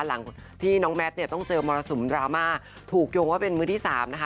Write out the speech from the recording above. หลังที่น้องแมทเนี่ยต้องเจอมรสุมดราม่าถูกโยงว่าเป็นมือที่สามนะคะ